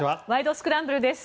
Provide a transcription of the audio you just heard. スクランブル」です。